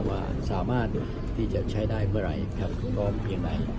ว่าสามารถที่จะใช้ได้เมื่อไหร่พร้อมเพียงไหน